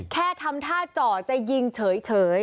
แค่ทำท่าเจาะจะยิงเฉย